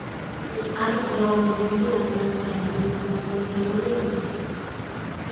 არის გეოლოგიური ლაბორატორია და ვულკანოლოგიური მუზეუმი.